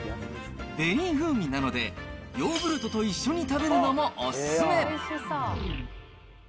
ベリー風味なので、ヨーグルトと一緒に食べるのもお勧め。